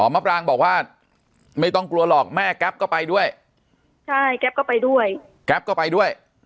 มาปรางบอกว่าไม่ต้องกลัวหรอกแม่แก๊ปก็ไปด้วยใช่แก๊ปก็ไปด้วยแก๊ปก็ไปด้วย